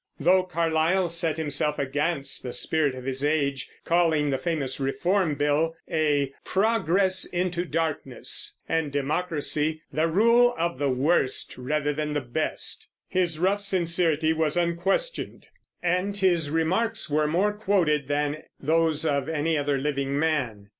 Though Carlyle set himself against the spirit of his age, calling the famous Reform Bill a "progress into darkness," and democracy "the rule of the worst rather than the best," his rough sincerity was unquestioned, and his remarks were more quoted than those of any other living man.